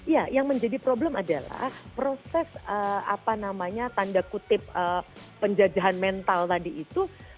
ya yang menjadi problem adalah proses apa namanya tanda kutip penjajahan mental tadi itu